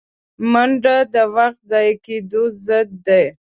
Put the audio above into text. منډه د وخت ضایع کېدو ضد ده